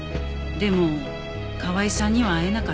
でも河合さんには会えなかった。